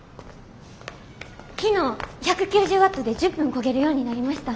昨日１９０ワットで１０分こげるようになりました。